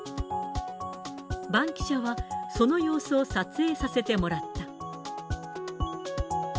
バンキシャは、その様子を撮影させてもらった。